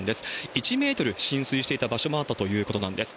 １メートル浸水していた場所もあったということなんです。